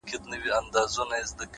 • ما خو گيله ترې په دې په ټپه کي وکړه؛